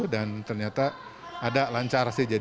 dan ternyata ada lancar sih